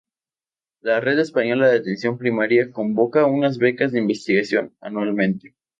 La Red Española de Atención Primaria convoca unas becas de investigación anualmente.